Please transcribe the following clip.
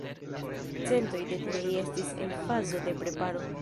Centoj de tiaj estis en fazo de preparo.